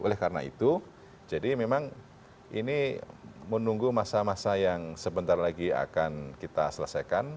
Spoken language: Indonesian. oleh karena itu jadi memang ini menunggu masa masa yang sebentar lagi akan kita selesaikan